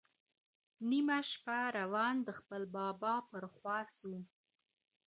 نیمه شپه روان د خپل بابا پر خوا سو